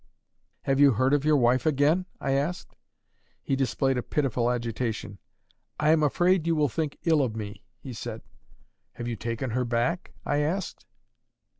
"Have you heard of your wife again?" I asked. He displayed a pitiful agitation. "I am afraid you will think ill of me," he said. "Have you taken her back?" I asked.